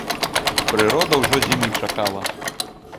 Прырода ўжо зімы чакала.